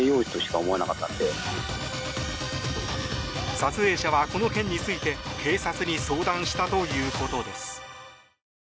撮影者はこの件について警察に相談したということです。